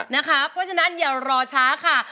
เพราะฉะนั้นอย่ารอช้าค่ะ